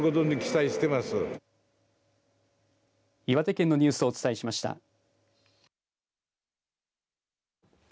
岩手県のニュースをお伝えしました。